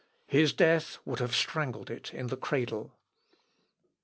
His death would have strangled it in the cradle."